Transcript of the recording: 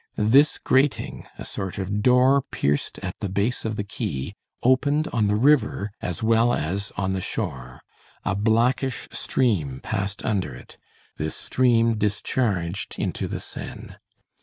This grating, a sort of door pierced at the base of the quay, opened on the river as well as on the shore. A blackish stream passed under it. This stream discharged into the Seine.